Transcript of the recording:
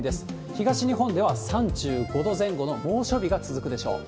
東日本では３５度前後の猛暑日が続くでしょう。